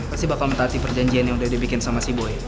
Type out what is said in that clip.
pasti bakal mentah hati perjanjian yang udah dibikin sama si boy